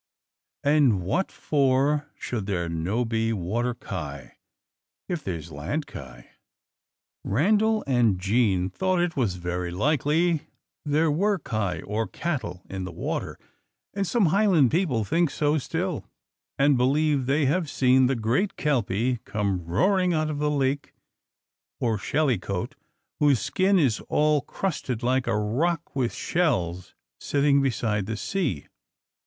"And what for should there no be water kye, if there 's land kye?" Randal and Jean thought it was very likely there were "kye," or cattle, in the water. And some Highland people think so still, and believe they have seen the great kelpie come roaring out of the lake; or Shellycoat, whose skin is all crusted like a rock with shells, sitting beside the sea.